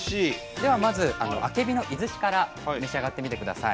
ではまずあけびの飯寿司から召し上がってみてください。